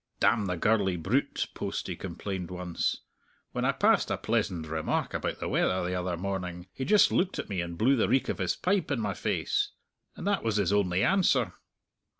"Damn the gurly brute!" Postie complained once; "when I passed a pleasand remark about the weather the other morning, he just looked at me and blew the reek of his pipe in my face. And that was his only answer!"